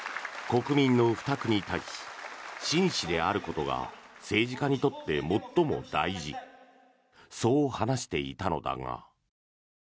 国民の負託に対し真摯であることが政治家にとって最も大事そう話していたのだが。